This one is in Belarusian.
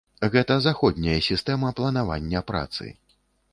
Гэта заходняя сістэма планавання працы.